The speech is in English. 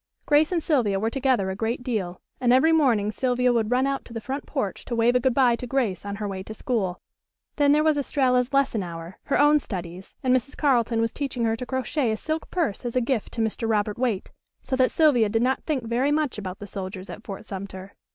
Grace and Sylvia were together a great deal, and every morning Sylvia would run out to the front porch to wave a good bye to Grace on her way to school. Then there was Estralla's lesson hour, her own studies, and Mrs. Carleton was teaching her to crochet a silk purse as a gift to Mr. Robert Waite, so that Sylvia did not think very much about the soldiers at Fort Sumter.